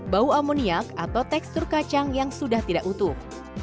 bau amoniak atau tekstur kacang yang sudah tidak utuh